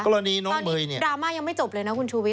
ตอนนี้ดราม่ายังไม่จบเลยนะคุณชูวิ้